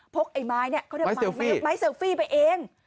พกไอ้ไม้ไม้เซลฟี่ไปเอง